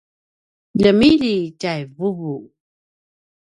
ljemilji tjai vuvu